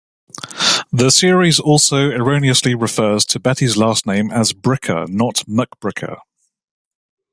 The series also erroneously refers to Betty's last name as "Bricker," not "McBricker.